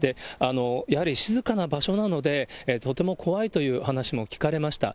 やはり静かな場所なので、とても怖いという話も聞かれました。